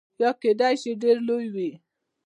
یا کیدای شي ډیر لوی وي.